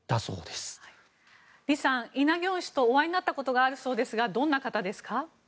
李さん、イ・ナギョン氏とお会いになったことがあるようですがどんな方ですか。